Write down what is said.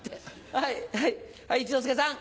はい一之輔さん。